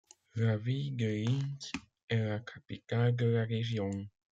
La ville de Lienz est la capitale de la région.